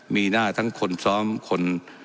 มีหน้าทั้งคนซ้อมคน